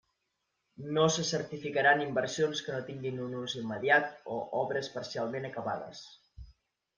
No se certificaran inversions que no tinguin un ús immediat o obres parcialment acabades.